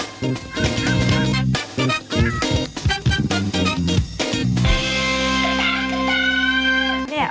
นั่งนะคะ